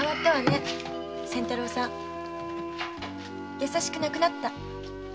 優しくなくなった。